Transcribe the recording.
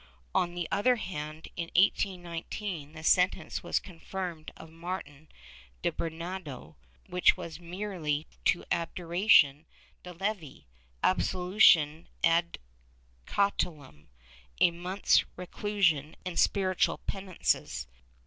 On the other hand, in 1819, the sentence was confirmed of Martin de Bernardo, which was merely to abjuration de Icvi, absolution ad cautelam, a month's reclusion and spiritual penances.